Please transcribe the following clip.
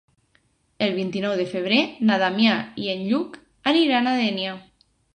El vint-i-nou de febrer na Damià i en Lluc aniran a Dénia.